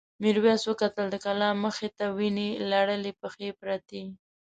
میرويس وکتل د کلا مخې ته وینې لړلې پښې پرتې.